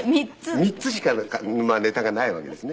３つしかネタがないわけですね。